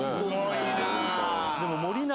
でも。